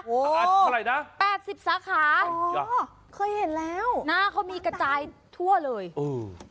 โอ้วเท่าไรนะแปดสิบสาขาอ๋อเคยเห็นแล้วนะเขามีกระจายทั่วเลยอืม